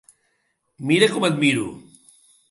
Mira com et miro.